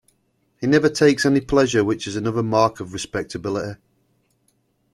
He never takes any pleasure, which is another mark of respectability.